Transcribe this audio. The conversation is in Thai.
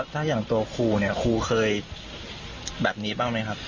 ถ้าอย่างตัวครูเนี่ยครูเคยแบบนี้บ้างไหมครับ